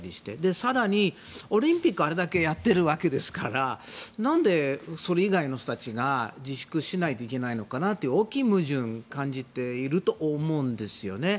更にオリンピックあれだけやっているわけですから何でそれ以外の人たちが自粛しないといけないのかなという大きい矛盾を感じてると思うんですよね。